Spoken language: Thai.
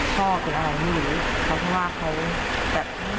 ชอบกับอะไรไม่รู้เขาเพราะว่าเขาแบบ